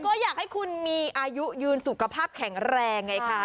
ก็อยากให้คุณมีอายุยืนสุขภาพแข็งแรงไงคะ